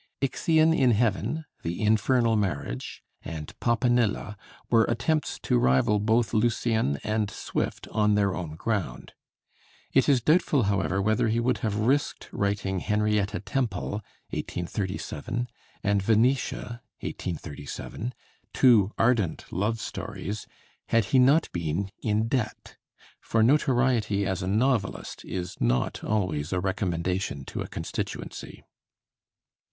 'Ixion in Heaven,' 'The Infernal Marriage,' and 'Popanilla' were attempts to rival both Lucian and Swift on their own ground. It is doubtful, however, whether he would have risked writing 'Henrietta Temple' (1837) and 'Venetia' (1837), two ardent love stories, had he not been in debt; for notoriety as a novelist is not always a recommendation to a constituency.